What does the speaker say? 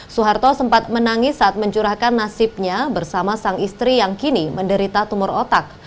soeharto sempat menangis saat mencurahkan nasibnya bersama sang istri yang kini menderita tumor otak